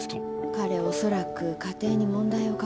彼恐らく家庭に問題を抱えてる。